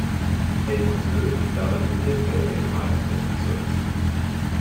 Hellmonsödt liegt damit im Mittelfeld der Gemeinden des Bezirks.